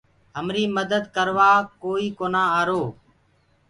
همري مدد ڪروآ ڪوئي ڪونآ آرو۔